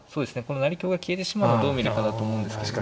この成香が消えてしまうのをどう見るかだと思うんですけど。